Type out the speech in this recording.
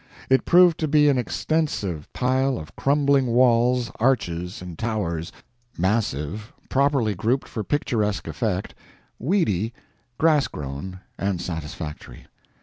It proved to be an extensive pile of crumbling walls, arches, and towers, massive, properly grouped for picturesque effect, weedy, grass grown, and satisfactory.